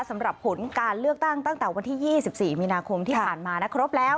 สำหรับผลการเลือกตั้งตั้งแต่วันที่๒๔มีนาคมที่ผ่านมานะครบแล้ว